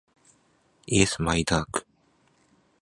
イエスマイダーク